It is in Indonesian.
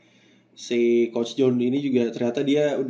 harusnya sih bisa ya karena ini kan pasalnya juga ada yang berbeda sih di jeda ini gitu